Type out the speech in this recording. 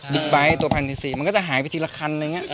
บิ๊กไบท์ตัวพันธุ์ที่สี่มันก็จะหายไปทีละคัน